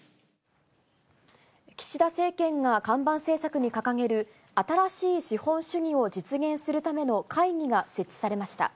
岸田政権が看板政策に掲げる新しい資本主義を実現するための会議が設置されました。